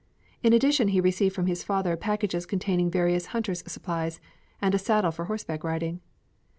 In addition he received from his father packages containing various hunters' supplies, and a saddle for horseback riding.